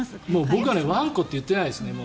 僕はワンコって言ってないですね。